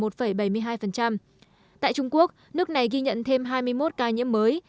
tại trung quốc nước này ghi nhận thêm hai mươi một ca nhiễm mới